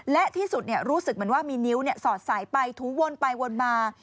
และที่สุดรู้สึกเหมือนว่ามีนิ้วสอดสายไปถูวนไปวนมา